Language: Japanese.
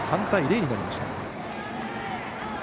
３対０になりました。